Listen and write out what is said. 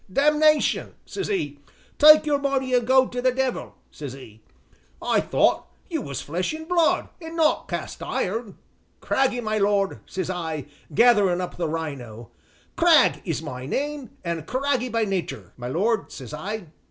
'Damnation!' says 'e, 'take your money an' go to the devil!' says 'e, 'I thought you was flesh an' blood an' not cast iron!' 'Craggy, my lord,' says I, gathering up the rhino, 'Cragg by name an' craggy by natur', my lord,' says I."